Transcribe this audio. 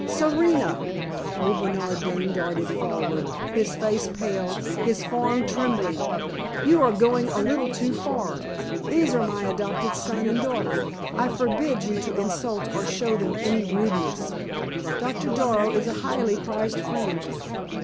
"Serena!" Old Bernard Dane darted forward, his face pale, his form trembling. "You are going a little too far. These are my adopted son and daughter. I forbid you to insult or show them any rudeness. Doctor Darrow is a highly prized friend.